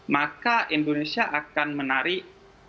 maka indonesia akan menarik